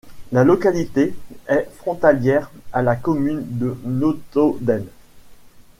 La localité est frontalière à la commune de Notodden.